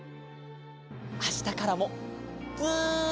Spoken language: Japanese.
あしたからもずっとずっと。